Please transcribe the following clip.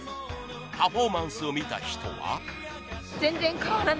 パフォーマンスを見た人は。